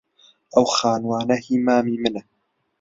ئەو خانووانە هیی مامی منن.